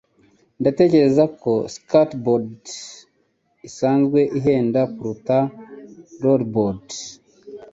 Ndatekereza ko skateboards isanzwe ihendutse kuruta rollerblades.